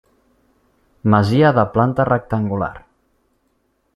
Masia de planta rectangular.